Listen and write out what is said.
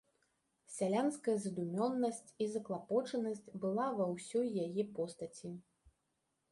Сялянская задумёнасць і заклапочанасць была ва ўсёй яе постаці.